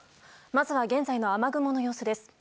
まずは現在の雨雲の様子です。